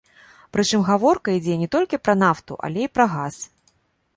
Прычым, гаворка ідзе не толькі пра нафту, але і пра газ.